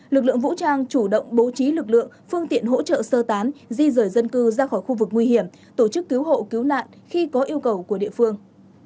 lực lượng vũ trang chủ động bố trí lực lượng phương tiện hỗ trợ sơ tán di rời dân cư ra khỏi khu vực nguy hiểm tổ chức cứu hộ cứu nạn khi có yêu cầu của địa phương